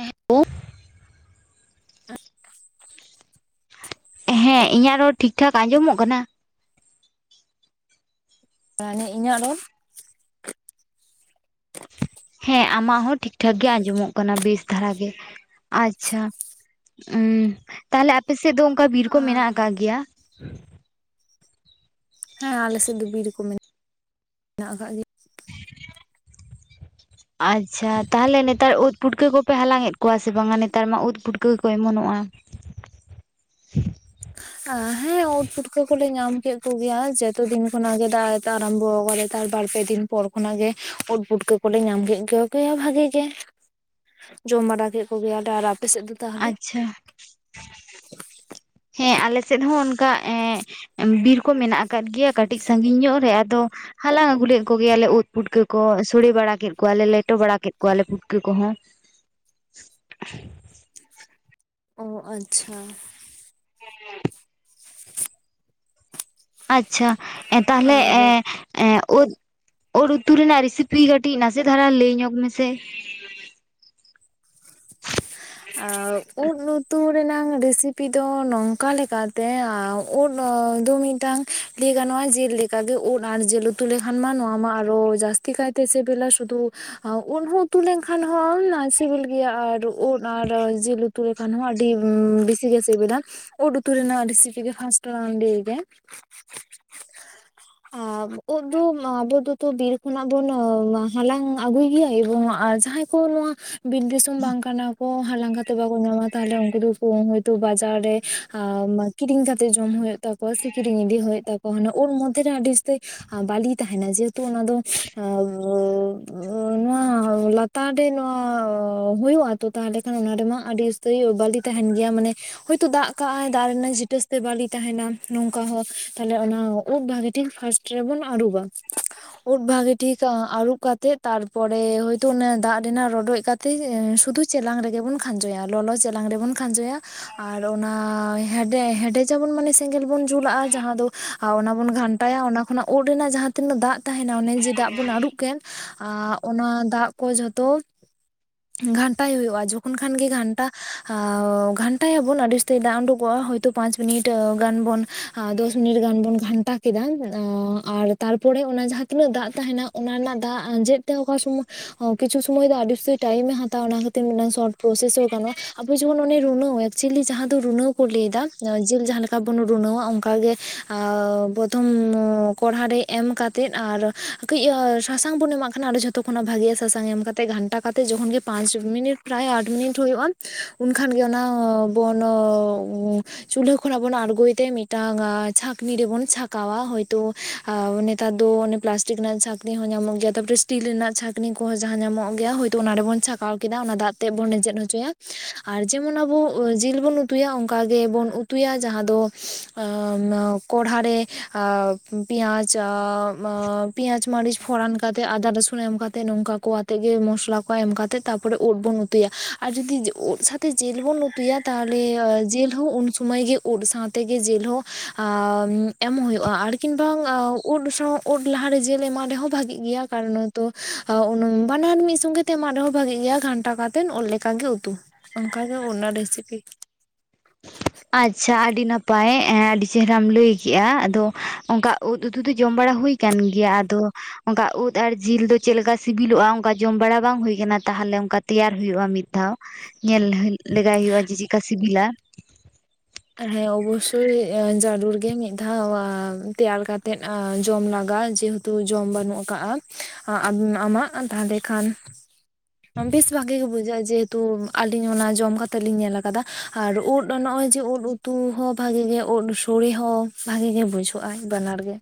ᱮᱦᱮᱸᱜ ᱦᱮᱸ ᱤᱧᱟᱹᱜ ᱨᱚᱲ ᱴᱷᱤᱠ ᱴᱷᱟᱠ ᱟᱸᱡᱚᱢᱚᱜ ᱠᱟᱱᱟ? ᱛᱟᱦᱞᱮ ᱤᱧᱟᱹᱜ ᱨᱚᱲ [unintelligible] ᱦᱮᱸ ᱟᱢᱟᱜ ᱦᱚᱸ ᱴᱷᱤᱠ ᱴᱷᱟᱠ ᱜᱮ ᱟᱸᱡᱚᱢᱚᱜ ᱠᱟᱱᱟ ᱵᱮᱥ ᱫᱷᱟᱨᱟ ᱜᱮ ᱟᱪᱪᱷᱟ ᱩᱸ ᱛᱟᱦᱞᱮ ᱟᱯᱮ ᱥᱮᱫ ᱫᱚ ᱚᱝᱠᱟ ᱵᱤᱨ ᱠᱚ ᱢᱮᱱᱟᱜ ᱟᱠᱟᱜ ᱜᱮᱭᱟ? ᱦᱮᱸ ᱟᱞᱮᱥᱮᱫ ᱫᱚ ᱵᱤᱨ ᱠᱚ ᱢᱮᱱᱟᱜᱼᱟ ᱢᱮᱱᱟᱜ ᱟᱠᱟᱜ ᱜᱮᱭᱟ ᱟᱪᱪᱷᱟ ᱛᱟᱦᱞᱮ ᱱᱮᱛᱟᱨ ᱩᱫ ᱯᱩᱴᱠᱟᱹ ᱠᱚᱯᱮ ᱦᱟᱞᱟᱝ ᱮᱫ ᱠᱚᱣᱟ ᱥᱮ ᱵᱟᱝᱟ? ᱱᱮᱛᱟᱨ ᱢᱟ ᱩᱫ ᱯᱩᱴᱠᱟᱹ ᱠᱚ ᱚᱢᱚᱱᱚᱜᱼᱟ᱾ ᱦᱮᱸ ᱩᱫ ᱯᱩᱴᱠᱟᱹ ᱠᱚᱞᱮ ᱧᱟᱢ ᱠᱮᱫ ᱠᱚᱜᱮᱭᱟ ᱡᱚᱛᱚ ᱫᱤᱱ ᱠᱷᱚᱱᱟᱜ ᱜᱮ ᱫᱟᱜ ᱮ ᱟᱨᱟᱢᱵᱚ ᱠᱟᱫᱟ ᱛᱟᱨ ᱵᱟᱨ ᱯᱮ ᱫᱤᱱ ᱯᱚᱨ ᱠᱷᱚᱱᱟᱜ ᱜᱮ ᱩᱫ ᱯᱩᱴᱠᱟᱹ ᱠᱚᱞᱮ ᱧᱟᱢ ᱠᱮᱫ ᱠᱚᱜᱮᱭᱟ ᱵᱷᱟᱜᱤ ᱜᱮ ᱡᱚᱢ ᱵᱟᱲᱟ ᱠᱮᱫ ᱠᱚᱜᱮᱭᱟᱞᱮ ᱟᱨ ᱟᱯᱮ ᱥᱮᱫ ᱫᱚ ᱛᱟᱦᱚᱞᱮ ᱟᱪᱪᱷᱟ ᱦᱮᱸ ᱟᱞᱮ ᱥᱮᱫ ᱦᱚᱸ ᱚᱱᱠᱟ ᱮᱸᱜ ᱵᱤᱨ ᱠᱚ ᱢᱮᱱᱟᱜ ᱟᱠᱟᱫ ᱜᱮᱭᱟ ᱠᱟᱹᱴᱤᱡ ᱥᱟᱺᱜᱤᱧ ᱧᱚᱜ ᱨᱮ ᱟᱫᱚ ᱦᱟᱞᱟᱝ ᱟᱹᱜᱩᱞᱮᱫ ᱠᱚᱜᱮᱭᱟᱞᱮ ᱩᱫ ᱯᱩᱴᱠᱟᱹ ᱠᱚ ᱥᱚᱲᱮ ᱵᱟᱲᱟ ᱠᱮᱫ ᱠᱚᱣᱟᱞᱮ ᱞᱮᱴᱚ ᱵᱟᱲᱟ ᱠᱮᱫ ᱠᱚᱣᱟᱞᱮ ᱯᱩᱴᱠᱟᱹ ᱠᱚᱦᱚᱸ᱾ ᱚ ᱟᱪᱪᱷᱟ [unintelligible] ᱟᱪᱪᱷᱟ ᱮ ᱛᱟᱦᱚᱞᱮ ᱟᱨ ᱮᱸ ᱮᱸ ᱩᱫ ᱩᱫ ᱩᱛᱩ ᱨᱮᱱᱟᱜ ᱨᱮᱥᱤᱯᱤ ᱠᱟᱹᱴᱤᱡ ᱱᱟᱥᱮ ᱫᱷᱟᱨᱟ ᱞᱟᱹᱭ ᱧᱚᱜᱽ ᱢᱮᱥᱮ? ᱮᱫ ᱩᱫ ᱩᱛᱩ ᱨᱮᱱᱟᱝ ᱨᱮᱥᱤᱯᱤ ᱫᱚ ᱱᱚᱝᱠᱟ ᱞᱮᱠᱟᱛᱮ ᱮᱸ ᱩᱫ ᱫᱚ ᱢᱤᱫᱴᱟᱝ ᱞᱟᱹᱭ ᱜᱟᱱᱚᱜᱼᱟ ᱡᱮᱞ ᱞᱮᱠᱟ ᱜᱮ ᱩᱫ ᱟᱨ ᱡᱤᱞ ᱩᱛᱩ ᱞᱮᱠᱷᱟᱱ ᱢᱟ ᱱᱚᱣᱟ ᱢᱟ ᱟᱨᱦᱚ ᱡᱟᱹᱥᱛᱤ ᱡᱟᱥᱛᱤ ᱠᱟᱭᱛᱮ ᱥᱤᱵᱤᱞᱟ ᱥᱩᱫᱷᱩ ᱩᱫ ᱦᱚᱸ ᱩᱛᱩ ᱞᱮᱱᱠᱷᱟᱱ ᱦᱚᱸ ᱚᱱᱟ ᱥᱤᱵᱤᱞ ᱜᱮᱭᱟ ᱟᱨ ᱩᱫ ᱟᱨ ᱡᱤᱞ ᱩᱛᱩ ᱞᱮᱠᱷᱟᱱ ᱦᱚᱸ ᱟᱹᱰᱤ ᱵᱤᱥᱤ ᱜᱮ ᱥᱤᱵᱤᱞᱟ᱾ ᱩᱫ ᱩᱛᱩ ᱨᱮᱱᱟᱜ ᱨᱤᱥᱯᱤ ᱜᱮ ᱯᱷᱟᱥᱴ ᱞᱟᱝ ᱞᱟᱹᱭ ᱜᱮ ᱩᱫ ᱫᱚ ᱟᱵᱚ ᱫᱚ ᱛᱚ ᱵᱤᱨ ᱠᱷᱚᱱᱟᱜ ᱵᱚᱱ ᱦᱟᱞᱟᱝ ᱟᱹᱜᱩᱭ ᱜᱮᱭᱟ ᱮᱵᱚᱝ ᱡᱟᱦᱟᱸᱭ ᱱᱚᱶᱟ ᱵᱤᱨ ᱫᱤᱥᱚᱢ ᱵᱟᱝ ᱠᱟᱱᱟ ᱠᱚ ᱦᱟᱞᱟᱝ ᱠᱟᱛᱮ ᱵᱟᱠᱚ ᱧᱟᱢᱟ ᱛᱟᱦᱚᱞᱮ ᱩᱱᱠᱩ ᱫᱚ ᱠᱚ ᱛᱚ ᱵᱟᱡᱟᱨ ᱨᱮ ᱠᱤᱨᱤᱧ ᱠᱟᱛᱮ ᱡᱚᱢ ᱦᱩᱭᱩᱜ ᱛᱟᱠᱚᱣᱟ ᱥᱮ ᱠᱤᱨᱤᱧ ᱤᱫᱤ ᱦᱩᱭᱩᱜ ᱛᱟᱠᱚᱣᱟ ᱩᱱ ᱢᱚᱫᱷᱮ ᱨᱮ ᱟᱰᱤ ᱩᱥᱛᱟᱹᱭ ᱵᱟᱞᱤ ᱛᱟᱦᱮᱱᱟ ᱡᱮᱦᱮᱛᱩ ᱚᱱᱟ ᱫᱚ ᱱᱚᱣᱟ ᱞᱟ ᱛᱟᱨ ᱨᱮ ᱱᱚᱣᱟ ᱦᱩᱭᱩᱜᱼᱟ ᱛᱚ ᱛᱟᱦᱚᱞᱮ ᱠᱷᱟᱱ ᱚᱱᱟ ᱨᱮᱢᱟ ᱟᱹᱰᱤ ᱩᱥᱛᱟᱹᱭᱤ ᱵᱟᱞᱤ ᱛᱟᱦᱮᱱ ᱜᱮᱭᱟ ᱢᱟᱱᱮ ᱦᱳᱭᱛᱳ ᱫᱟᱜ ᱠᱟᱜᱼ ᱟᱭ ᱫᱟᱜ ᱨᱮᱱᱟᱜ ᱡᱤᱴᱟᱹᱥ ᱛᱮ ᱵᱟᱞᱤ ᱛᱟᱦᱮᱱᱟ ᱱᱚᱝᱠᱟ ᱦᱚᱸ ᱛᱟᱦᱞᱮ ᱚᱱᱟ ᱩᱫ ᱵᱷᱟᱜᱤ ᱴᱷᱤᱠ ᱯᱷᱟᱥᱴ ᱨᱮᱵᱚᱱ ᱟᱹᱨᱩᱵᱟ ᱩᱫ ᱵᱷᱟᱹᱜᱤ ᱴᱷᱤᱠ ᱟᱹᱨᱩᱵ ᱠᱟᱛᱮᱜ ᱛᱟᱨᱯᱚᱨᱮ ᱦᱚᱳᱭᱛᱚ ᱚᱱᱟ ᱫᱟᱜ ᱨᱮᱱᱟᱜ ᱨᱚᱰᱚᱡ ᱠᱟᱛᱮᱜ ᱥᱩᱫᱷᱩ ᱪᱮᱞᱟᱝ ᱨᱮᱜᱮ ᱵᱚᱱ ᱠᱷᱟᱸᱡᱚᱭᱟ ᱞᱚᱞᱚ ᱪᱮᱞᱟᱝ ᱨᱮᱵᱚᱱ ᱠᱷᱟᱸᱡᱚᱭᱟ ᱟᱨ ᱚᱱᱟ ᱦᱮᱰᱮᱡ ᱟᱵᱚᱱ ᱢᱟᱱᱮ ᱥᱮᱸᱜᱮᱞ ᱵᱚᱱ ᱡᱩᱞᱟᱜᱼᱟ ᱡᱟᱦᱟᱸ ᱫᱚ ᱚᱱᱟ ᱵᱚᱱ ᱜᱷᱟᱱᱴᱟᱭᱟ ᱚᱱᱟ ᱠᱷᱚᱱᱟᱜ ᱩᱫ ᱨᱮᱱᱟᱜ ᱡᱟᱦᱟᱸ ᱛᱤᱱᱟᱹᱜ ᱫᱟᱜ ᱛᱟᱦᱮᱱᱟ ᱚᱱᱮ ᱡᱮ ᱫᱟᱜ ᱵᱚᱱ ᱟᱹᱨᱩᱵ ᱠᱮᱫ ᱟᱜ ᱚᱱᱟ ᱫᱟᱜ ᱠᱚ ᱡᱷᱚᱛᱚ ᱜᱷᱟᱱᱴᱟ ᱜᱷᱟᱱᱴᱟᱭ ᱦᱩᱭᱩᱜᱼᱟ ᱡᱚᱠᱷᱚᱱ ᱠᱷᱟᱱ ᱜᱮ ᱜᱷᱟᱱᱴᱟ ᱜᱷᱟᱱᱴᱟᱭᱟᱵᱚᱱ ᱟᱹᱰᱤ ᱩᱥᱛᱟᱹᱭ ᱫᱟᱜ ᱩᱰᱩᱠᱚᱜᱼᱟ ᱛᱚ ᱯᱟᱸᱪ ᱢᱤᱱᱤᱴ ᱜᱟᱱᱵᱚᱱ ᱫᱚᱥ ᱢᱤᱱᱤᱴ ᱜᱟᱱ ᱵᱚᱱ ᱜᱷᱟᱱᱴᱟ ᱠᱮᱫᱟ ᱟᱨ ᱛᱟᱨᱯᱚᱨᱮ ᱚᱱᱟ ᱡᱟᱦᱟᱸ ᱛᱤᱱᱟᱹᱜ ᱫᱟᱜ, ᱛᱟᱦᱮᱱᱟ ᱚᱱᱟ ᱨᱮᱱᱟᱜ ᱫᱟᱜ ᱟᱸᱡᱮᱫ ᱛᱮ ᱚᱠᱟ ᱥᱚᱢᱚ ᱠᱤᱪᱷᱩ ᱥᱩᱚᱢᱚᱭ ᱫᱚ ᱟᱹᱰᱤ ᱩᱥᱛᱚᱭ ᱴᱟᱭᱤᱢᱮ ᱦᱟᱛᱟᱣᱟ ᱚᱱᱟ ᱠᱷᱟᱹᱛᱤ ᱢᱤᱫᱴᱟᱝ ᱥᱚᱴ ᱯᱨᱚᱥᱮᱥ ᱦᱚᱸ ᱜᱟᱱᱚᱜᱼᱟ ᱟᱵᱚ ᱡᱮᱢᱚᱱ ᱚᱱᱮ ᱨᱩᱱᱟᱹᱣ ᱮᱠᱪᱩᱭᱮᱞᱤ ᱡᱟᱦᱟᱸ ᱫᱚ ᱨᱩᱱᱟᱹᱣ ᱠᱚ ᱞᱟᱹᱭ ᱮᱫᱟ ᱡᱤᱞ ᱡᱟᱦᱟᱸ ᱞᱮᱠᱟ ᱵᱩᱱ ᱨᱱᱟᱹᱣᱟ ᱚᱱᱠᱟᱜᱮ ᱯᱨᱚᱛᱷᱚᱢ ᱠᱚᱲᱦᱟ ᱨᱮ ᱮᱢ ᱠᱟᱛᱮ ᱛᱮᱫ ᱟᱨ ᱠᱟᱹᱡ ᱥᱟᱥᱟᱝ ᱵᱚᱱ ᱮᱢᱟᱜ ᱠᱷᱟᱱ ᱟᱨ ᱡᱷᱚᱛᱚ ᱠᱷᱚᱱᱟᱜ ᱵᱷᱟᱜᱮ ᱥᱟᱥᱟᱝ ᱮᱢ ᱠᱟᱛᱮᱫ ᱜᱟᱱᱴᱟ ᱠᱟᱛᱮ ᱡᱚᱠᱷᱚᱱ ᱜᱮ ᱯᱟᱸᱪ ᱢᱤᱱᱤᱴ ᱯᱨᱟᱭ ᱟᱴ ᱢᱤᱱᱤᱴ ᱦᱩᱭᱩᱜᱼᱟ ᱩᱱᱠᱷᱟᱱ ᱜᱮ ᱚᱱᱟ ᱵᱚᱱ ᱪᱩᱞᱦᱟᱹ ᱠᱷᱚᱱᱟᱜ ᱵᱚᱱ ᱟᱬᱜᱚᱭ ᱛᱮ ᱢᱤᱫᱴᱟᱝ ᱪᱷᱟᱸᱠᱱᱤ ᱨᱮᱵᱚᱱ ᱪᱷᱟᱠᱟᱣᱟ ᱦᱳᱭᱛᱳ ᱟᱨ ᱱᱮᱛᱟᱨ ᱫᱚ ᱚᱱᱮ ᱯᱞᱟᱥᱴᱤᱠ ᱨᱮᱱᱟᱜ ᱪᱷᱟᱹᱠᱱᱤ ᱦᱚᱸ ᱧᱟᱢᱚᱜ ᱜᱮᱭᱟ ᱛᱟᱯᱚᱨᱮ ᱥᱴᱤᱞ ᱨᱮᱱᱟᱜ ᱪᱷᱟᱹᱠᱱᱤ ᱠᱚᱦᱚᱸ ᱡᱟᱦᱟᱸ ᱧᱟᱢᱚᱜ ᱜᱮᱭᱟ ᱛᱚ ᱚᱱᱟ ᱨᱮᱵᱚᱱ ᱪᱷᱟᱠᱟᱣ ᱠᱮᱫᱟ ᱚᱱᱟ ᱫᱟᱜ ᱛᱮ ᱵᱚᱱ ᱨᱮᱸᱡᱮᱫ ᱦᱚᱪᱚᱭᱟ ᱟᱨ ᱡᱮᱢᱚᱱ ᱟᱵᱚ ᱡᱤᱞ ᱵᱚᱱ ᱩᱛᱩᱭᱟ ᱚᱱᱠᱟ ᱜᱮᱵᱚᱱ ᱩᱛ ᱩᱛᱩᱭᱟ ᱡᱟᱦᱟᱸ ᱫᱚ ᱟᱸ ᱠᱚᱲᱦᱟ ᱨᱮ ᱯᱮᱸᱭᱟᱡᱽ ᱟᱦ, ᱯᱮᱸᱭᱟᱡᱽ, ᱢᱟᱹᱨᱤᱪ, ᱯᱷᱚᱲᱟᱱ, ᱠᱟᱛᱮᱫ ᱟᱫᱟ ᱨᱟᱥᱩᱱ ᱮᱢ ᱠᱟᱛᱮᱫ ᱱᱚᱝᱠᱟ ᱠᱚ ᱟᱛᱮᱫ ᱜᱮ ᱢᱚᱥᱞᱟ ᱠᱚ ᱮᱢ ᱠᱟᱛᱮ, ᱛᱟᱯᱚᱨᱮ ᱩᱸᱫ ᱵᱚᱱ ᱩᱛᱩᱭᱟ ᱟᱨ ᱡᱩᱫᱤ ᱩᱫ ᱥᱟᱛᱮᱜ ᱡᱮᱞ ᱵᱚᱱ ᱩᱛᱩᱭᱟ ᱛᱟᱦᱚᱞᱮ ᱡᱤᱞ ᱦᱚᱸ ᱩᱱ ᱥᱩᱢᱟᱹᱭ ᱜᱮ, ᱩᱫ ᱥᱟᱶᱛᱮᱜᱮ ᱡᱤᱞ ᱦᱚᱸ ᱟᱦ ᱮᱢᱚᱜ ᱦᱩᱭᱩᱜᱼᱟ ᱾ ᱟᱨ ᱠᱤᱱ ᱵᱟᱝ ᱩᱫ ᱥᱟᱶ ᱩᱫ ᱞᱟᱦᱟᱨᱮ ᱡᱮᱞ ᱮᱢᱟᱜ ᱨᱮᱦᱚᱸ ᱵᱷᱟᱜᱤ ᱜᱮᱭᱟ ᱠᱟᱨᱚᱱ ᱦᱚᱭ ᱛᱚ ᱩᱱᱟᱹᱝ ᱵᱟᱱᱟᱨ ᱢᱤᱫ ᱥᱚᱸᱜᱮ ᱛᱮ ᱮᱢᱟᱜ ᱨᱮᱦᱚᱸ, ᱵᱷᱟᱜᱤ ᱜᱮᱭᱟ ᱜᱷᱟᱱᱴᱟ ᱠᱟᱛᱮᱫ ᱳᱫ ᱞᱮᱠᱟᱜ ᱜᱮ ᱩᱛᱩ ᱚᱱᱠᱟᱜᱮ ᱚᱱᱟ ᱨᱮᱥᱤᱯᱤ, ᱟᱪᱷᱟ ᱟᱹᱰᱤ ᱱᱟᱯᱟᱭ ᱮ ᱟᱹᱰᱤ ᱪᱮᱦᱨᱟᱢ ᱞᱟᱹᱭᱠᱮᱜᱼᱟ ᱟᱫᱚ ᱚᱱᱠᱟ ᱩᱫ ᱩᱛᱩ ᱫᱚ ᱡᱚᱢ ᱵᱟᱲᱟ ᱦᱩᱭ, ᱠᱟᱱ ᱜᱮᱭᱟ ᱟᱫᱚ, ᱚᱱᱠᱟ ᱩᱫ ᱟᱨ ᱡᱤᱞ ᱫᱚ ᱪᱮᱫᱠᱟ ᱥᱤᱵᱤᱞᱚᱜᱼᱟ ᱚᱱᱠᱟ ᱡᱚᱢ ᱵᱟᱲᱟ ᱵᱟᱝ ᱦᱳᱭ ᱠᱟᱱᱟ ᱛᱟᱦᱚᱞᱮ ᱚᱱᱠᱟ ᱛᱮᱭᱟᱨᱳᱭᱼᱟ ᱢᱤᱫ ᱫᱷᱟᱣ ᱾ ᱧᱮᱞ ᱞᱮᱜᱟᱭ ᱦᱩᱭᱩᱜᱼᱟ ᱡᱮ ᱪᱮᱫᱞᱮᱠᱟ ᱥᱤᱵᱤᱞᱟ, ᱦᱮᱸ ᱚᱵᱚᱥᱥᱳᱭ ᱡᱟᱨᱩᱲ ᱜᱮ ᱢᱤᱫ ᱫᱷᱟᱣ ᱛᱮᱭᱟᱨ ᱠᱟᱛᱮᱜ ᱡᱚᱢ ᱞᱟᱜᱟᱜᱼᱟ ᱡᱮᱦᱮ ᱛᱩ ᱡᱚᱢ ᱵᱟᱹᱱᱩᱜ ᱟᱠᱟᱜᱼᱟ ᱾ ᱟᱢᱟᱜ ᱛᱟᱦᱚᱞᱮ ᱠᱷᱟᱱ, ᱵᱮᱥ ᱵᱷᱟᱜᱮ ᱜᱮ ᱵᱩᱡᱟᱼᱟ ᱡᱮᱦᱮ ᱛᱩ ᱟᱞᱤᱧ ᱚᱱᱟ ᱡᱚᱢ ᱠᱟᱛᱮᱜ ᱞᱤᱧ ᱧᱮᱞ ᱟᱠᱟᱫᱟ ᱟᱨ ᱳᱫ ᱱᱚᱜᱼᱚᱭ ᱡᱮ ᱳᱫ ᱩᱛᱩ ᱦᱚᱸ ᱵᱷᱟᱜᱮ ᱜᱮ ᱳᱫ ᱥᱳᱲᱮ ᱦᱚᱸ ᱵᱷᱟᱜᱮ ᱜᱮ ᱵᱩᱡᱷᱟᱹᱜ ᱟᱭ ᱵᱟᱱᱟᱨ ᱜᱮ,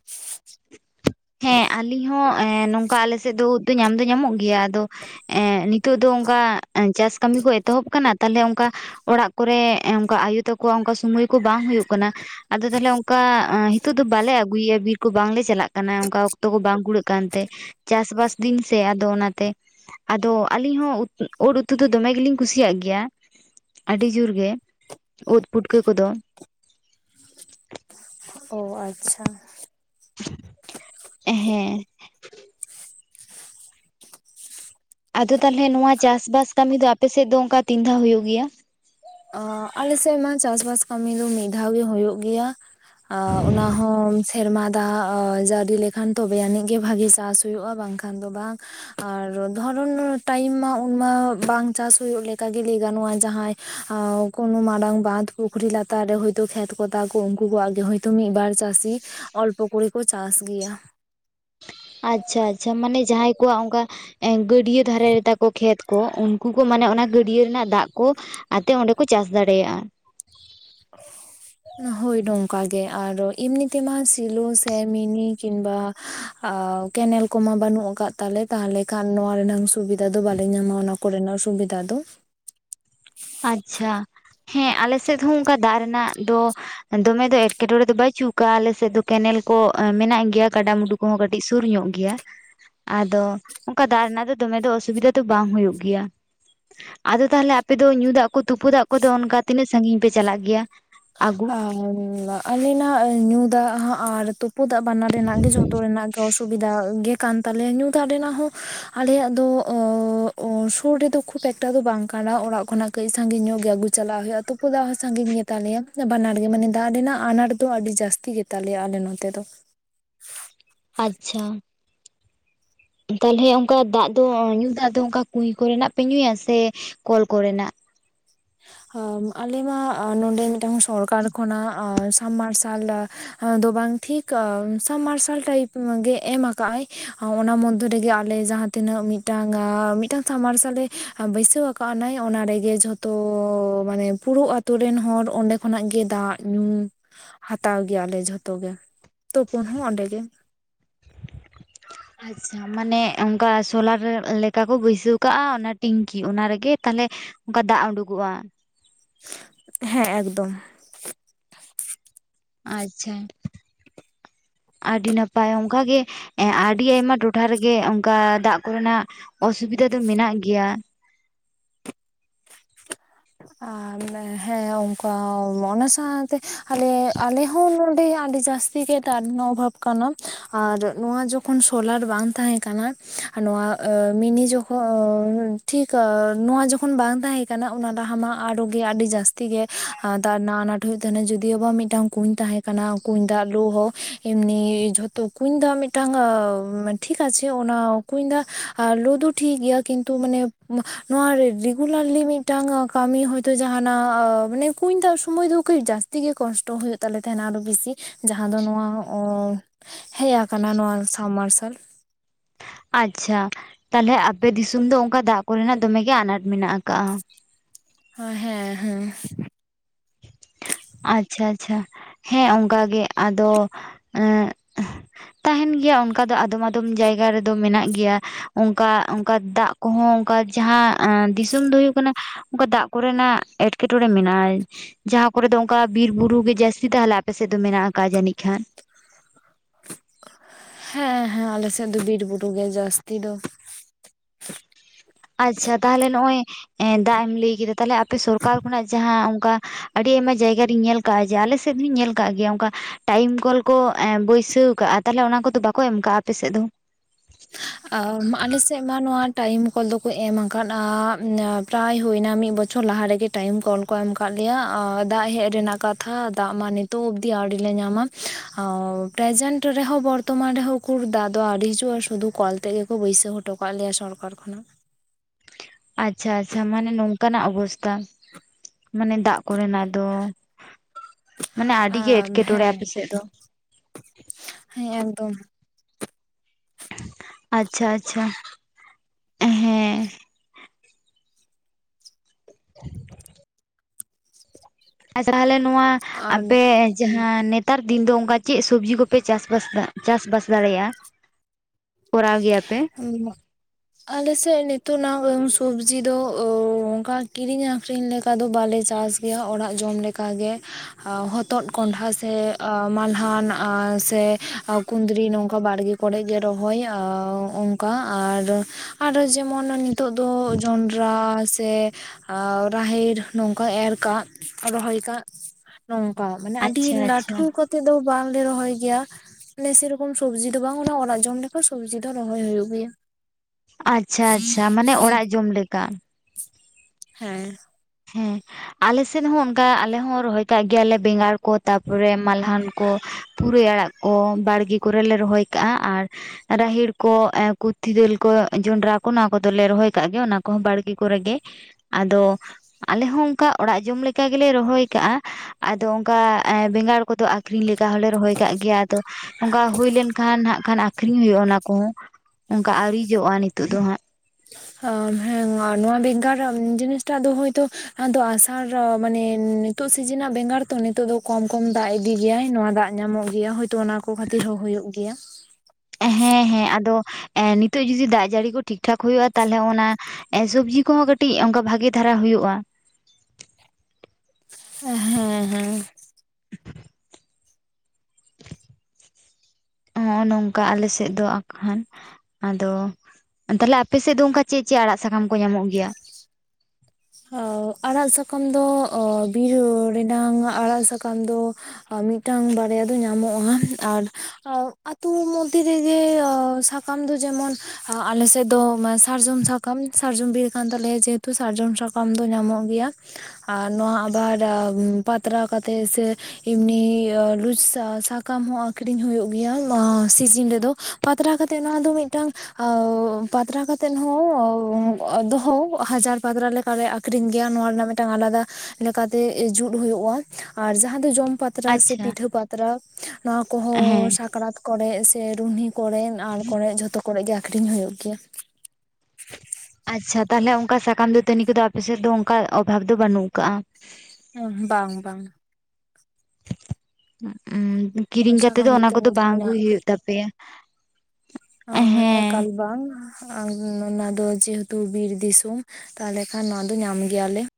ᱦᱮᱸ ᱟᱞᱤᱧ ᱦᱚᱸ ᱮ ᱱᱚᱝᱠᱟ ᱟᱞᱮᱥᱮᱫ ᱫᱚ ᱳᱫ ᱫᱚ ᱧᱟᱢ ᱫᱚ ᱧᱟᱢᱚᱜ ᱜᱮᱭᱟ ᱟᱫᱚ, ᱮᱸ ᱱᱤᱛᱚᱜ ᱫᱚ ᱚᱱᱠᱟ ᱪᱟᱥ ᱠᱟᱹᱢᱤ ᱠᱚ ᱮᱛᱚᱦᱚᱵ ᱟᱠᱟᱱᱟ ᱛᱟᱦᱞᱮ ᱚᱱᱠᱟ, ᱚᱲᱟᱜ ᱠᱚᱨᱮ ᱚᱱᱠᱟ ᱟᱭᱳ ᱛᱟᱠᱚᱣᱟᱜ ᱚᱱᱠᱟ ᱥᱚᱢᱚᱭ ᱠᱚ ᱵᱟᱝ ᱦᱩᱭᱩᱜ ᱠᱟᱱᱟ ᱾ ᱟᱫᱚ ᱛᱟᱦᱚᱞᱮ ᱚᱱᱠᱟ ᱱᱤᱛᱚᱜ ᱫᱚ ᱵᱟᱞᱮ ᱟᱹᱜᱩᱭᱮᱭᱟ ᱵᱤᱨ ᱠᱚ ᱵᱟᱝᱞᱮ ᱪᱟᱞᱟᱜ ᱠᱟᱱᱟ ᱚᱱᱠᱟ ᱚᱠᱛᱚ ᱠᱚ ᱵᱟᱝ ᱠᱩᱲᱟᱹᱜ ᱠᱟᱱᱛᱮ ᱪᱟᱥᱵᱟᱥ ᱫᱤᱱ ᱥᱮ ᱟᱫᱚ ᱚᱱᱟᱛᱮ, ᱟᱫᱚ ᱟᱹᱞᱤᱧ ᱦᱚᱸ ᱳᱫ ᱩᱛᱩ ᱫᱚ ᱫᱚᱢᱮ ᱜᱮᱞᱤᱧ ᱠᱩᱥᱤᱭᱟᱜ ᱜᱮᱭᱟ ᱾ ᱟᱹᱰᱤ ᱡᱳᱨ ᱜᱮ, ᱳᱫ ᱯᱩᱴᱠᱟᱹ ᱠᱚᱫᱚ ᱚ ᱟᱪᱪᱷᱟ, ᱦᱮᱸ ᱾ ᱟᱫᱚ ᱛᱟᱦᱚᱞᱮ ᱱᱚᱣᱟ ᱪᱟᱥᱵᱟᱥ ᱠᱟᱹᱢᱤ ᱫᱚ ᱟᱯᱮᱥᱮᱫ ᱫᱚ ᱚᱱᱠᱟ ᱛᱤᱱ ᱫᱷᱟᱣ ᱦᱩᱭᱩᱜ ᱜᱮᱭᱟ, ᱚ ᱟᱞᱮᱥᱮᱫ ᱢᱟ ᱪᱟᱥᱵᱟᱥ ᱠᱟᱹᱢᱤ ᱫᱚ ᱢᱤᱫ ᱫᱷᱟᱣ ᱜᱮ ᱦᱩᱭᱩᱜ ᱜᱮᱭᱟ, ᱟᱦ ᱚᱱᱟ ᱦᱚᱸ ᱥᱮᱨᱢᱟ ᱫᱟᱜ ᱡᱟᱹᱲᱤ ᱞᱮᱠᱷᱟᱱ ᱛᱚᱵᱮ ᱟᱹᱱᱤᱡ ᱜᱮ ᱵᱷᱟᱹᱜᱤ ᱪᱟᱥ ᱦᱩᱭᱩᱜᱼᱟ, ᱵᱟᱝ ᱠᱷᱟᱱ ᱫᱚ ᱵᱟᱝ, ᱟᱨ ᱫᱷᱚᱨᱚᱱ ᱴᱟᱭᱤᱢ ᱢᱟ ᱩᱱᱢᱟ ᱵᱟᱝ ᱪᱟᱥ ᱦᱩᱭᱩᱜ ᱞᱮᱠᱟ ᱜᱮ ᱞᱟᱹᱭ ᱜᱟᱱᱚᱜᱼᱟ, ᱡᱟᱸᱦᱟᱭ ᱟᱸ ᱠᱳᱱᱳ ᱢᱟᱨᱟᱝ ᱵᱟᱸᱫᱽ ᱯᱩᱠᱷᱨᱤ ᱞᱟᱛᱟᱨ ᱨᱮ ᱦᱳᱭᱛᱳ ᱠᱷᱮᱛ ᱠᱚ ᱛᱟᱠᱚ ᱩᱱᱠᱩ ᱠᱚᱣᱟᱜ ᱜᱮ ᱦᱳᱭᱛᱳ ᱢᱤᱫᱵᱟᱨ ᱪᱟᱹᱥᱤ, ᱚᱞᱯᱚ ᱠᱚᱨᱮ ᱠᱚ ᱪᱟᱥ ᱜᱮᱭᱟ, ᱟᱪᱪᱷᱟ ᱟᱪᱪᱷᱟ ᱢᱟᱱᱮ ᱡᱟᱸᱦᱟᱭ ᱠᱚᱣᱟᱜ ᱚᱱᱠᱟ, ᱜᱟᱹᱰᱭᱟᱹ ᱫᱷᱟᱨᱮ ᱨᱮ ᱛᱟᱠᱚ ᱠᱷᱮᱛ ᱠᱚ ᱩᱱᱠᱩ ᱠᱚ ᱢᱟᱱᱮ ᱚᱱᱟ ᱜᱟᱹᱰᱭᱟᱹ ᱨᱮᱱᱟᱜ ᱫᱟᱜ ᱠᱚ᱾ ᱟᱛᱮ ᱚᱸᱰᱮ ᱠᱚ ᱪᱟᱥ ᱫᱟᱲᱮᱭᱟᱜᱼᱟ᱾ [inaudible] ᱦᱳᱭ ᱱᱚᱝᱠᱟᱜ ᱜᱮ ᱟᱨ ᱮᱢᱱᱤ ᱛᱮᱢᱟ ᱥᱤᱞᱚ ᱥᱮ ᱢᱤᱱᱤ ᱠᱤᱝᱵᱟ, ᱟᱸ ᱠᱮᱱᱮᱞ ᱠᱚᱢᱟ ᱵᱟᱹᱱᱩᱜ ᱟᱠᱟᱫ ᱛᱟᱞᱮ ᱛᱟᱦᱚᱞᱮ ᱠᱷᱟᱱ ᱱᱚᱣᱟ ᱨᱮᱱᱟᱝ, ᱥᱩᱵᱤᱷᱟ ᱫᱚ ᱵᱟᱞᱮ ᱧᱟᱢᱟ ᱚᱱᱟ ᱠᱚ ᱨᱮᱱᱟᱜ ᱥᱩᱵᱤᱫᱷᱟ ᱫᱚ, ᱟᱪᱪᱷᱟ, ᱦᱮᱸ ᱟᱞᱮᱥᱮᱫ ᱦᱚᱸ ᱚᱱᱠᱟ ᱫᱟᱜ ᱨᱮᱱᱟᱜ ᱫᱚ, ᱫᱚᱢᱮ ᱫᱚ ᱮᱴᱠᱮᱴᱚᱬᱮ ᱫᱚ ᱵᱟᱪᱩᱜ ᱠᱟᱜ ᱟᱞᱮᱥᱮᱫ ᱫᱚ ᱠᱮᱱᱮᱞ ᱠᱚ ᱢᱮᱱᱟᱜ ᱜᱮᱭᱟ ᱜᱟᱰᱟ ᱢᱩᱰᱩ, ᱠᱚᱦᱚᱸ ᱠᱟᱹᱴᱤᱡ ᱥᱩᱨ ᱧᱚᱜ ᱜᱮᱭᱟ, ᱟᱫᱚ ᱚᱱᱠᱟ ᱫᱟᱜ ᱨᱮᱱᱟᱜ ᱫᱚ ᱫᱚᱢᱮ ᱫᱚ ᱚᱥᱩᱵᱤᱫᱷᱟ ᱫᱚ ᱵᱟᱝ ᱦᱩᱭᱩᱜ ᱜᱮᱭᱟ᱾ ᱟᱫᱚ ᱛᱟᱦᱚᱞᱮ ᱟᱯᱮ ᱫᱚ ᱧᱩ ᱫᱟᱜ ᱠᱚ ᱛᱩᱯᱩ ᱫᱟᱜ ᱠᱚᱫᱚ ᱚᱱᱠᱟ ᱛᱤᱱᱟᱹᱜ ᱥᱟᱺᱜᱤᱧ ᱯᱮ ᱪᱟᱞᱟᱜ ᱜᱮᱭᱟ᱾ ᱟᱹᱜᱩ ᱟᱨ ᱟᱞᱮᱱᱟᱜ ᱧᱩ ᱫᱟᱜ ᱟᱨ ᱦᱟᱸᱜ ᱛᱩᱯᱩ, ᱛᱩᱯᱩᱫᱟᱜ ᱵᱟᱱᱟᱨ ᱨᱮᱱᱟᱜ ᱜᱮ ᱡᱷᱚᱛᱚ ᱨᱮᱱᱟᱜ ᱜᱮ ᱚᱥᱩᱵᱤᱫᱷᱟ ᱜᱮ, ᱠᱟᱱ ᱛᱟᱞᱮᱭᱟ ᱧᱩ ᱫᱟᱜ ᱨᱮᱱᱟᱜ ᱦᱚᱸ ᱟᱞᱮᱭᱟᱜ ᱫᱚ ᱚᱜ ᱥᱩᱨ ᱨᱮᱫᱚ ᱠᱷᱩᱵ, ᱯᱷᱮᱠᱴᱟ ᱫᱚ ᱵᱟᱝ ᱠᱟᱱᱟ ᱚᱲᱟᱜ ᱠᱷᱚᱱᱟᱜ ᱠᱟᱹᱡ ᱥᱟᱺᱜᱤᱧ ᱧᱚᱜ ᱜᱮ ᱟᱹᱜᱩ ᱪᱟᱞᱟᱜ ᱦᱩᱭᱩᱜᱼᱟ᱾ ᱛᱩᱯᱩ ᱫᱟᱜ ᱦᱚᱸ ᱥᱟᱺᱜᱤᱧ ᱜᱮ ᱛᱟᱞᱮᱭᱟ᱾ ᱵᱟᱱᱟᱨ ᱜᱮ ᱢᱟᱱᱮ ᱫᱟᱜ ᱨᱮᱱᱟᱜ ᱟᱱᱟᱴ ᱫᱚ ᱟᱹᱰᱤ ᱡᱟᱹᱥᱛᱤ ᱜᱮ ᱛᱟᱞᱮᱭᱟ ᱟᱞᱮ ᱱᱚᱛᱮ ᱫᱚ᱾ ᱟᱪᱪᱷᱟ, ᱛᱟᱞᱦᱮ ᱚᱱᱠᱟ ᱫᱟᱜ ᱫᱚ ᱧᱩ ᱫᱟᱜ ᱫᱚ ᱚᱱᱠᱟ ᱠᱩᱧ ᱠᱚᱨᱮᱱᱟᱜ ᱯᱮ ᱧᱩᱭᱟ ᱥᱮ ᱠᱚᱞ ᱠᱚᱨᱮᱱᱟᱜ? ᱟᱞᱮ ᱢᱟ ᱱᱚᱸᱰᱮ ᱢᱤᱫᱴᱟᱝ ᱥᱚᱨᱠᱟᱨ ᱠᱷᱚᱱᱟᱜ ᱥᱟᱵ ᱢᱟᱨᱥᱟᱞ, ᱫᱚ ᱵᱟᱝ ᱴᱷᱤᱠ ᱥᱟᱵ ᱢᱟᱨᱥᱟᱞ ᱴᱟᱭᱤᱯ ᱜᱮ ᱮᱢ ᱠᱟᱜ ᱟᱭ ᱚᱱᱟ ᱢᱚᱫᱽᱫᱷᱮ ᱨᱮᱜᱮ ᱟᱞᱮ ᱡᱟᱸᱦᱟ, ᱛᱤᱱᱟᱹᱜ ᱢᱤᱫᱴᱟᱝ ᱢᱤᱫᱴᱟᱝ ᱥᱟᱵ ᱢᱟᱨᱥᱟᱞᱮ ᱵᱟᱹᱭᱥᱟᱹᱣ ᱟᱠᱟᱫ ᱱᱟᱭ ᱚᱱᱟ ᱨᱮᱜᱮ ᱡᱷᱚᱛᱚ, ᱛᱚ ᱢᱟᱱᱮ ᱯᱩᱨᱟᱹ ᱟᱛᱳ ᱨᱮᱱ ᱦᱚᱲ ᱚᱸᱰᱮ ᱠᱷᱚᱱᱟᱜ ᱜᱮ ᱫᱟᱜ ᱧᱩ, ᱦᱟᱛᱟᱣ ᱜᱮᱭᱟᱞᱮ ᱡᱷᱚᱛᱚ ᱜᱮ ᱛᱚᱯᱩᱱ ᱦᱚᱸ ᱚᱸᱰᱮᱜᱮ, [inaudible] ᱟᱪᱪᱷᱟ ᱢᱟᱱᱮ ᱚᱱᱠᱟ ᱥᱳᱞᱟᱨ ᱞᱮᱠᱟ ᱠᱚ ᱵᱟᱹᱭᱥᱟᱹᱣ ᱠᱟᱜᱼᱟ ᱚᱱᱟ ᱴᱮᱝᱠᱤ ᱚᱱᱟ ᱨᱮᱜᱮ ᱛᱟᱦᱚᱞᱮ, ᱚᱱᱠᱟ ᱫᱟᱜ ᱩᱰᱩᱠᱚᱜ-ᱟ᱾ ᱦᱮᱸ ᱮᱠᱫᱚᱢ, ᱟᱪᱪᱷᱟ, ᱟᱹᱰᱤ ᱱᱟᱯᱟᱭ ᱚᱱᱠᱟ ᱜᱮ, ᱟᱹᱰᱤ ᱟᱭᱢᱟ ᱴᱚᱴᱷᱟ ᱨᱮᱜᱮ ᱚᱱᱠᱟ ᱫᱟᱜ ᱠᱚᱨᱮᱱᱟᱜ ᱚᱥᱩᱵᱤᱫᱷᱟ ᱫᱚ ᱢᱮᱱᱟᱜ ᱜᱮᱭᱟ, ᱟᱨ ᱦᱮᱸ ᱚᱱᱠᱟ ᱚᱱᱟ ᱥᱟᱶᱛᱮ, ᱟᱞᱮ ᱟᱞᱮ ᱦᱚᱸ ᱱᱚᱸᱰᱮ ᱟᱹᱰᱤ ᱡᱟᱹᱥᱛᱤ᱾ ᱡᱟᱹᱥᱛᱤ ᱜᱮ ᱫᱟᱜ ᱨᱮᱱᱟᱜ ᱚᱵᱷᱟᱵ ᱠᱟᱱᱟ ᱟᱨ ᱱᱚᱣᱟ ᱡᱚᱠᱷᱚᱱ ᱥᱳᱞᱟᱨ ᱵᱟᱝ ᱛᱟᱸᱦᱮ ᱠᱟᱱᱟ᱾ ᱟᱨ ᱱᱚᱣᱟ ᱢᱤᱱᱤ ᱡᱚᱠᱷᱚᱱ ᱴᱷᱤᱠ ᱱᱚᱣᱟ ᱡᱚᱠᱷᱚᱱ ᱵᱟᱝ ᱛᱟᱸᱦᱮ ᱠᱟᱱᱟ᱾ ᱚᱱᱟ ᱞᱟᱦᱟ ᱢᱟ ᱟᱨ ᱦᱚ ᱟᱹᱰᱤ ᱡᱟᱹᱥᱛᱤ ᱜᱮ ᱫᱟᱜ ᱨᱮᱱᱟᱜ ᱟᱱᱟᱴ ᱦᱩᱭᱩᱜ ᱛᱟᱦᱮᱱᱟ ᱡᱳᱫᱤᱭᱳ ᱵᱟᱝ ᱢᱟ ᱢᱤᱫᱴᱟᱝ ᱠᱩᱧ ᱛᱟᱸᱦᱮ ᱠᱟᱱᱟ ᱠᱩᱧ ᱫᱟᱜ ᱞᱩ ᱦᱚᱸ ᱮᱢᱱᱤ ᱡᱷᱚᱛᱚ ᱠᱩᱧ ᱫᱟᱜ ᱢᱤᱫᱴᱟᱝ ᱴᱷᱤᱠ ᱟᱪᱷᱮ ᱚᱱᱟ, ᱠᱩᱧ ᱫᱟᱜ ᱟᱨ ᱞᱩ ᱫᱚ ᱴᱷᱤᱠ ᱜᱮᱭᱟ ᱠᱤᱱᱛᱩ ᱢᱟᱱᱮ ᱱᱚᱣᱟ ᱨᱮᱜᱩᱞᱟᱨᱞᱤ ᱢᱤᱫ, ᱢᱤᱫᱴᱟᱝ ᱠᱟᱹᱢᱤ ᱦᱳᱭᱛᱳ ᱡᱟᱸᱦᱟᱱᱟᱜ ᱢᱟᱱᱮ ᱠᱩᱧ ᱫᱟᱜ ᱥᱳᱢᱚᱭ ᱫᱚ ᱠᱟᱹᱡ ᱡᱟᱹᱥᱛᱤ ᱜᱮ ᱠᱚᱥᱴᱚ ᱦᱩᱭᱩᱜ, ᱛᱟᱸᱦᱞᱮ ᱛᱟᱸᱦᱮᱱᱟ ᱟᱨ ᱦᱚ ᱵᱤᱥᱤ ᱡᱟᱸᱦᱟ ᱫᱚ ᱱᱚᱣᱟ ᱦᱮᱡ ᱟᱠᱟᱱᱟ ᱱᱚᱣᱟ ᱥᱟᱵ ᱢᱟᱨᱥᱟᱞ, ᱟᱪᱪᱷᱟ, ᱛᱟᱸᱦᱞᱮ ᱟᱯᱮ ᱫᱤᱥᱚᱢ ᱫᱚ ᱚᱱᱠᱟ ᱫᱟᱜ ᱠᱚᱨᱮᱱᱟᱜ ᱫᱚᱢᱮᱜᱮ ᱟᱱᱟᱴ ᱢᱮᱱᱟᱜ ᱟᱠᱟᱜᱼᱟ᱾ ᱦᱮᱸ ᱦᱮᱸ ᱦᱮᱸ, ᱟᱪᱪᱷᱟ ᱟᱪᱪᱷᱟ ᱦᱮᱸ ᱚᱱᱠᱟ ᱜᱮ ᱟᱫᱚ ᱮ, ᱛᱟᱸᱦᱮᱱ ᱜᱮᱭᱟ ᱚᱱᱠᱟ ᱫᱚ ᱟᱫᱚᱢ ᱟᱫᱚᱢ ᱡᱟᱭᱜᱟ ᱨᱮᱫᱚ ᱢᱮᱱᱟᱜ ᱜᱮᱭᱟ ᱚᱱᱠᱟ ᱚᱱᱠᱟ ᱫᱟᱜ, ᱠᱚᱦᱚᱸ ᱚᱱᱠᱟ ᱡᱟᱦᱟᱸ ᱫᱤᱥᱚᱢ ᱫᱚ ᱦᱩᱭᱩᱜ ᱠᱟᱱᱟ ᱚᱱᱠᱟ ᱫᱟᱜ ᱠᱚᱨᱮᱱᱟᱜ ᱮᱴᱠᱮᱴᱚᱬᱮ ᱢᱮᱱᱟᱜᱼᱟ ᱡᱟᱦᱟᱸ ᱠᱚᱨᱮ ᱫᱚ ᱚᱱᱠᱟ ᱵᱤᱨ ᱵᱩᱨᱩ ᱜᱮ ᱡᱟᱹᱥᱛᱤ ᱛᱟᱦᱚᱞᱮ ᱟᱯᱮᱥᱮᱫ ᱫᱚ ᱢᱮᱱᱟᱜ ᱟᱠᱟᱫ ᱡᱟᱹᱱᱤᱡ ᱠᱷᱟᱱ ᱦᱮᱸ ᱦᱮᱸ ᱟᱞᱮᱥᱮᱫ ᱫᱚ ᱵᱤᱨ ᱵᱩᱨᱩ ᱜᱮ ᱡᱟᱹᱥᱛᱤ ᱫᱚ ᱟᱪᱪᱷᱟ ᱛᱟᱦᱚᱞᱮ ᱱᱚᱜᱼᱚᱭ ᱮᱸ ᱫᱟᱜ ᱮᱢ ᱞᱟᱹᱭ ᱠᱮᱫᱟ ᱛᱟᱦᱞᱮ ᱟᱯᱮ ᱥᱚᱨᱠᱟᱨ ᱠᱷᱚᱱᱟᱜ ᱡᱟᱦᱟᱸ ᱚᱱᱠᱟ ᱟᱹᱰᱤ ᱟᱭᱢᱟ ᱡᱟᱭᱜᱟ ᱨᱤᱧ ᱧᱮᱞ ᱟᱠᱟᱜᱼᱟ ᱡᱮ ᱟᱞᱮ ᱥᱮᱫ ᱦᱚᱧ ᱧᱮᱞ ᱟᱠᱟᱜ ᱜᱮᱭᱟ ᱚᱱᱠᱟ ᱴᱟᱭᱤᱢ ᱠᱚᱞ ᱠᱚ ᱵᱟᱹᱭᱥᱟᱹᱣ ᱠᱟᱜᱼᱟ ᱛᱟᱦᱞᱮ ᱚᱱᱟ ᱠᱚᱫᱚ ᱵᱟᱠᱚ ᱮᱢ ᱠᱟᱜᱼᱟ ᱟᱯᱮᱥᱮᱫ ᱫᱚ? ᱟ. ᱢ ᱟᱞᱮ ᱥᱮᱫ ᱢᱟ ᱱᱚᱣᱟ ᱴᱟᱭᱤᱢ ᱠᱚᱞ ᱫᱚᱠᱚ ᱮᱢ ᱟᱠᱟᱫᱼᱟ ᱯᱨᱟᱭ ᱦᱩᱭᱳᱱᱟ ᱢᱤᱫ ᱵᱚᱪᱷᱚᱨ ᱞᱟᱦᱟ ᱨᱮᱜᱮ ᱴᱟᱭᱤᱢ ᱠᱚᱞ ᱠᱚ ᱮᱢ ᱟᱠᱟᱫ ᱞᱮᱭᱟ ᱫᱟᱜ ᱦᱮᱡ ᱨᱮᱱᱟᱜ ᱠᱟᱛᱷᱟ ᱫᱟᱜ ᱢᱟ ᱱᱤᱛ‌ ᱼᱼ ᱛᱚᱵ ᱚᱵᱫᱤ ᱟᱣᱲᱰᱤ ᱞᱮ ᱧᱟᱢᱟ ᱯᱡᱮᱱᱴ ᱨᱮᱦᱚᱸ ᱵᱚᱨᱛᱚᱢᱟᱱ ᱨᱮᱦᱚᱸ ᱩᱠᱩᱨ ᱫᱟᱜ ᱫᱚ ᱟᱣᱨᱮ ᱦᱤᱡᱩᱜᱼᱟ ᱥᱩᱫᱷᱩ ᱠᱚᱞ ᱛᱮᱜᱮ ᱠᱚ ᱵᱟᱹᱭᱥᱟᱹᱣ ᱦᱚᱴᱚ ᱠᱟᱜ ᱞᱮᱭᱟ ᱥᱚᱨᱠᱟᱨ ᱠᱷᱚᱱᱟᱜ᱾ ᱟᱪᱪᱷᱟ ᱟᱪᱪᱷᱟ, ᱢᱟᱱᱮ ᱱᱚᱝᱠᱟᱱᱟᱜ ᱚᱵᱚᱥᱛᱟ᱾ ᱢᱟᱱᱮ ᱫᱟᱜ ᱠᱚᱨᱮᱱᱟᱜ ᱫᱚ ᱢᱟᱱᱮ ᱟᱹᱰᱤ ᱜᱮ ᱟᱢ ᱮᱴᱠᱮᱴᱚᱬᱮ ᱦᱮᱸ ᱟᱯᱮᱥᱮᱫ ᱫᱚ, ᱦᱮᱸ ᱮᱠᱫᱚᱢ᱾ ᱟᱪᱪᱷᱟ ᱟᱪᱪᱷᱟ ᱦᱮᱸ [inaudible] ᱛᱟᱦᱚᱞᱮ ᱱᱚᱣᱟ ᱟᱨ ᱟᱯᱮ ᱡᱟᱦᱟᱸ ᱱᱤᱛ ᱼᱼ ᱱᱮᱛᱟᱨ ᱫᱤᱱ ᱫᱚ ᱚᱱᱠᱟ ᱪᱮᱫ ᱥᱚᱵᱽᱡᱤ ᱠᱚ ᱯᱮ ᱪᱟᱥ-ᱵᱟᱥ ᱫᱟ... ᱪᱟᱥ-ᱵᱟᱥ ᱫᱟᱲᱮᱭᱟᱜᱼᱟ ᱠᱚᱨᱟᱣ ᱜᱮᱭᱟᱯᱮ [unintelligible] ᱟᱞᱮᱥᱮᱫ ᱱᱤᱛᱚᱜᱱᱟᱜ ᱥᱚᱵᱡᱤ ᱫᱚ ᱚᱱᱠᱟ ᱠᱤᱨᱤᱧ ᱟᱠᱷᱨᱤᱧ ᱞᱮᱠᱟ ᱫᱚ ᱵᱟᱞᱮ ᱪᱟᱥ ᱨᱮᱭᱟᱜ ᱚᱲᱟᱜ ᱡᱚᱢ ᱞᱮᱠᱟᱜ ᱜᱮ ᱦᱚᱛᱚᱫ ᱠᱚᱸᱰᱷᱟ ᱥᱮ ᱢᱟᱞᱦᱟᱱ ᱥᱮ ᱟᱨ ᱠᱩᱫᱽᱨᱤ ᱱᱚᱝᱠᱟ ᱵᱟᱲᱜᱮ ᱠᱚᱨᱮ ᱜᱮ ᱨᱚᱦᱚᱭ ᱟᱨ ᱚᱱᱠᱟ ᱟᱨ ᱟᱨ ᱡᱮᱢᱚᱱ ᱱᱤᱛᱚᱜ ᱫᱚ ᱡᱚᱱᱰᱨᱟ ᱥᱮ ᱟᱨ ᱨᱟᱦᱮᱲ ᱱᱚᱝᱠᱟ ᱮᱨ ᱠᱟᱜ ᱨᱚᱦᱚᱭ ᱠᱟᱜ ᱱᱚᱝᱠᱟ ᱢᱟᱱᱮ ᱟᱹᱰᱤ ᱟᱪᱪᱷᱟ ᱟᱪᱪᱷᱟ ᱞᱟᱹᱴᱷᱩ ᱠᱟᱛ ᱼᱼ ᱛᱮᱫ ᱫᱚ ᱵᱟᱝᱞᱮ ᱨᱚᱦᱚᱭ ᱜᱮᱭᱟ ᱢᱟᱱᱮ ᱥᱮᱨᱚᱠᱚᱢ ᱥᱚᱵᱡᱤ ᱫᱚ ᱵᱟᱝ ᱚᱱᱟ ᱟᱲᱟᱜ ᱡᱚᱢ ᱞᱮ‌ ᱼᱼ ᱚ ᱥᱚᱵᱡᱤ ᱫᱚ ᱨᱚᱦᱚᱭ ᱦᱩᱭᱩᱜ ᱦᱩᱭᱩᱜ ᱜᱮᱭᱟ ᱟᱪᱪᱷᱟ ᱟᱪᱪᱷᱟ ᱢᱟᱱᱮ ᱚᱲᱟᱜ ᱡᱚᱢ ᱞᱮᱠᱟ ᱦᱮᱸ ᱦᱮᱸ ᱟᱞᱮ ᱥᱮᱫ ᱦᱚᱸ ᱚᱱᱠᱟ ᱟᱞᱮ ᱦᱚᱸ ᱨᱚᱦᱚᱭ ᱟᱠᱟᱜ ᱜᱮᱭᱟᱞᱮ ᱵᱮᱸᱜᱟᱲ ᱠᱳ ᱛᱟᱨᱯᱚᱨᱮ ᱢᱟᱞᱦᱟᱱ ᱠᱳ ᱯᱩᱨᱟᱹᱭ ᱟᱲᱟᱜ ᱠᱳ ᱵᱟᱲᱜᱮ ᱠᱚᱨᱮ ᱞᱮ ᱨᱚᱦᱚᱭ ᱠᱟᱜᱼᱟ ᱟᱨ ᱨᱟᱦᱮᱲ ᱠᱳ ᱠᱩᱨᱛᱷᱤ ᱫᱟᱹᱞ ᱠᱳ ᱡᱚᱱᱰᱨᱟ ᱠᱳ ᱱᱚᱶᱟ ᱠᱚ ᱫᱚ ᱞᱮ. ᱨᱚᱦᱚᱭ ᱟᱠᱟᱜ ᱜᱮᱭᱟ ᱚᱱᱟ ᱠᱚᱦᱚᱸ ᱵᱟᱲᱜᱮ ᱠᱚᱨᱮᱜᱮ ᱟᱫᱳ ᱟᱞᱮ ᱦᱚᱸ ᱚᱱᱠᱟ ᱚᱲᱟᱜ ᱡᱚᱢ ᱞᱮᱠᱟ ᱜᱮᱞᱮ ᱨᱚᱦᱚᱭ ᱟᱠᱟᱟᱜᱼᱟ ᱟᱫᱚ ᱚᱱᱠᱟ ᱮ... ᱵᱮᱸᱜᱟᱲ ᱠᱳ ᱫᱳ ᱟᱠᱷᱨᱤᱧ ᱞᱮᱠᱟ ᱦᱚᱸ ᱞᱮ ᱨᱚᱦᱚᱭ ᱟᱠᱟᱜ ᱜᱮᱭᱟ ᱟᱫᱚ ᱚᱱᱠᱟ ᱦᱩᱭ ᱞᱮᱱᱠᱷᱟᱱ ᱱᱟᱦᱟᱸᱜ ᱠᱷᱟᱱ ᱟᱠᱷᱨᱤᱧ ᱦᱩᱭᱩᱜᱼᱟ ᱚᱱᱟ ᱠᱚᱦᱚᱸ ᱚᱱᱠᱟ ᱟᱹᱣᱨᱤ ᱡᱚᱜᱼᱟ ᱱᱤᱛᱳ ᱫᱚ ᱦᱟᱸᱜ ᱦᱟᱢ ᱦᱮᱸ ᱱᱚᱶᱟ ᱵᱮᱜᱟᱨ ᱡᱤᱱᱤᱥ ᱴᱟᱜ ᱫᱚ ᱦᱳᱭᱛᱳ ᱟᱥᱟᱲ ᱢᱟᱱᱮ ᱱᱤᱛᱚᱜᱜ ᱥᱤᱡᱤᱱᱟᱜ ᱵᱮᱸᱜᱟᱲ ᱛᱚ ᱱᱤᱛᱚᱜ ᱫᱚ ᱠᱚᱢ ᱠᱚᱢ ᱫᱟᱜ ᱤᱫᱤ ᱜᱮᱭᱟᱭ ᱱᱚᱶᱟ ᱫᱟᱜ ᱧᱟᱢᱚᱜ ᱜᱮᱭᱟ ᱦᱚᱭᱛᱚ ᱚᱱᱟ ᱠᱚ ᱠᱷᱟᱹᱛᱤᱨ ᱦᱚᱸ ᱦᱩᱭᱩᱜ ᱜᱮᱭᱟ ᱦᱮᱸ ᱦᱮᱸ ᱟᱫᱚ ᱮ... ᱱᱤᱛᱚᱜ ᱡᱩᱫᱤ ᱫᱟᱜ ᱡᱟᱹᱲᱤ ᱠᱚ ᱴᱷᱤᱠᱴᱷᱟᱠ ᱦᱩᱭᱩᱜᱼᱟ ᱛᱟᱦᱚᱞᱮ ᱚᱱᱟ ᱮᱸ.... ᱥᱚᱵᱡᱤ ᱠᱚ ᱦᱚᱸ ᱠᱟᱹᱴᱤᱡ ᱚᱱᱠᱟ ᱵᱷᱟᱜᱤ ᱫᱷᱟᱨᱟ ᱦᱩᱭᱩᱜᱼᱟ ᱦᱮᱸ ᱦᱮᱸ [inaudible] ᱦᱚᱸ ᱱᱚᱜ ᱱᱚᱝᱠᱟ ᱟᱞᱮᱥᱮᱫ ᱫᱚ ᱟᱠᱠᱷᱟᱱ ᱟᱫᱚ ᱛᱟᱦᱚᱞᱮ ᱟᱯᱮᱥᱮᱫ ᱫᱚ ᱚᱱᱠᱟ ᱪᱮᱫ ᱪᱮᱫ ᱟᱲᱟᱜ ᱥᱟᱠᱟᱢ ᱠᱚ ᱧᱟᱢᱚᱜ ᱜᱮᱭᱟ ᱟ. ᱟᱲᱟᱜ ᱥᱟᱠᱟᱢ ᱫᱚ ᱟ. ᱵᱤᱨ ᱨᱮᱱᱟᱝ ᱟᱲᱟᱜ ᱥᱟᱠᱟᱢ ᱫᱚ ᱢᱤᱫᱴᱟᱝ ᱵᱟᱨᱭᱟ ᱫᱚ ᱧᱟᱢᱚᱜᱼᱟ ᱟᱨ ᱟᱛᱳ ᱢᱚᱫᱽᱫᱷᱮ ᱨᱮᱜᱮ ᱥᱟᱠ ᱼᱼ ᱠᱟᱢ ᱫᱚ ᱡᱮᱢᱚᱱ ᱟ... ᱟᱞᱮᱥᱮᱫ ᱫᱚ ᱢ... ᱥᱟᱨᱡᱚᱢ ᱥᱟᱠᱟᱢ ᱥᱟᱨᱡᱚᱢ ᱵᱤᱨ ᱠᱟᱱ ᱛᱟᱞᱮᱭᱟ ᱡᱮᱦᱮᱛᱩ ᱥᱟᱨᱡᱚᱢ ᱥᱟᱠ ᱼᱼ ᱠᱟᱢ ᱫᱚ ᱧᱟᱢᱚᱜ ᱜᱮᱭᱟ ᱟᱨ ᱱᱚᱣᱟ ᱟᱵᱟᱨ ᱯᱟᱛᱲᱟ ᱠᱟᱛᱮᱜ ᱥᱮ ᱮᱢᱱᱤ ᱞᱩᱥ ᱥᱟᱠᱟᱢ ᱦᱚᱸ ᱟᱠᱷᱨᱤᱧ ᱦᱩᱭᱩᱜ ᱜᱮᱭᱟ ᱢᱟ ᱥᱤᱡᱤᱱ ᱨᱮᱫᱚ ᱯᱟᱛᱨᱟ ᱠᱟᱛᱮᱫ ᱚᱱᱟ ᱫᱚ ᱢᱤᱫᱴᱟᱝ ᱟᱣ ᱯᱟᱛᱨᱟ ᱠᱟᱛᱮ ᱦᱚᱸ ᱫᱚᱦᱚ ᱦᱟᱡᱟᱨ ᱯᱟᱸᱫᱽᱨᱟ ᱵᱟᱞᱮ ᱟᱠᱷᱨᱤᱧ ᱜᱮᱭᱟ ᱱᱚᱣᱟ ᱨᱮᱱᱟᱜ ᱢᱤᱫᱴᱟᱝ ᱟᱞᱟᱫᱟ ᱞᱮᱠᱟᱛᱮ ᱡᱩᱛ ᱦᱩᱭᱩᱜᱜᱼᱟ ᱟᱨ ᱡᱟᱦᱟᱸ ᱫᱚ ᱡᱚᱢ ᱯᱟ.... ᱛᱨᱟ ᱥᱮ ᱟᱪᱪᱷᱟ ᱯᱤᱴᱷᱟᱹ ᱯᱟᱛᱨᱟ ᱱᱚᱶᱟ ᱦᱮᱸ ᱠᱚᱦᱚᱸ ᱥᱟᱠᱨᱟᱛ ᱠᱚᱨᱮ ᱥᱮ ᱨᱩᱱᱦᱤ ᱠᱚᱨᱮᱱ ᱟᱨ ᱯᱚᱨᱮ ᱡᱷᱚᱛᱚ ᱠᱚᱨᱮ ᱜᱮ ᱟᱠᱷᱨᱤᱧ ᱦᱩᱭᱩᱜ ᱜᱤᱭᱟ ᱟᱪᱪᱷᱟ ᱛᱟᱦᱚᱞᱮ ᱚᱱᱠᱟ ᱥᱟᱠᱟᱢ ᱫᱟᱹᱛᱟᱹᱱᱤ ᱠᱚᱫᱚ ᱟᱯᱮᱥᱮᱫ ᱫᱚ ᱚᱱᱠᱟ ᱚᱵᱷᱟᱵᱽ ᱫᱚ ᱵᱟᱹᱱᱩᱜ ᱟᱠᱟᱜᱼᱟ ᱦ ᱵᱟᱝ ᱵᱟᱝ ᱦᱩᱸ.. ᱩᱸ... ᱠᱤᱨᱤᱧ ᱠᱟᱛᱮ ᱥᱟᱠᱟᱢ ᱫᱚ ᱚᱱᱟ ᱫᱟᱹᱛᱟᱹᱱᱤ ᱠᱚᱫᱚ ᱫᱚ ᱵᱟᱝ ᱟᱹᱜᱩᱭ ᱦᱩᱭᱩᱜ ᱛᱟᱯᱮᱭᱟ ᱚᱸ ᱦᱮᱸ ᱮᱠᱟᱞ ᱵᱟᱝ ᱟᱝ ᱚᱱᱟ ᱫᱚ ᱡᱮᱦᱮᱛᱩ ᱵᱤᱨ ᱫᱤᱥᱚᱢ ᱛᱟᱦᱞᱮ ᱠᱷᱟᱱ ᱱᱚᱶᱟ ᱫᱚ ᱧᱟᱢ ᱜᱤᱭᱟ ᱞᱮ